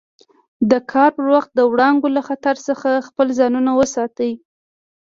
د کار پر وخت د وړانګو له خطر څخه خپل ځانونه وساتي.